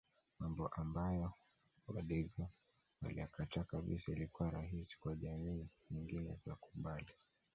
Mambo ambayo wadigo waliyakataa kabisa ilikuwa rahisi kwa jamii nyingine kuyakubali